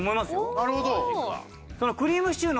なるほど。